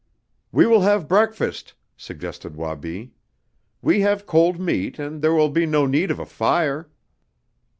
"We will have breakfast," suggested Wabi. "We have cold meat and there will be no need of a fire."